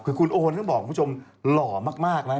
คือคุณโอนก็บอกคุณผู้ชมหล่อมากนะ